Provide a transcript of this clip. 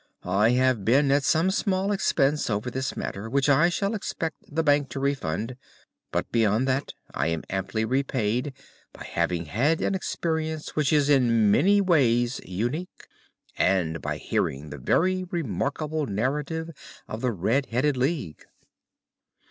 "I have been at some small expense over this matter, which I shall expect the bank to refund, but beyond that I am amply repaid by having had an experience which is in many ways unique, and by hearing the very remarkable narrative of the Red headed League."